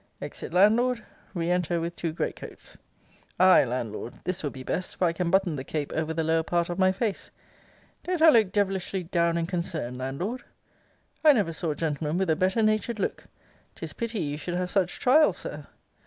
Exit Landlord. Re enter with two great coats. Ay, Landlord, this will be best; for I can button the cape over the lower part of my face. Don't I look devilishly down and concerned, Landlord? I never saw a gentleman with a better natured look. 'Tis pity you should have such trials, Sir.